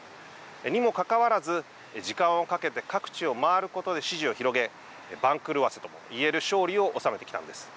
にもかかわらず時間をかけて各地を回ることで支持を広げ番狂わせとも言える勝利を収めてきたんです。